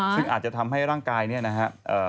ซึ่งอาจจะทำให้ร่างกายเนี่ยนะฮะ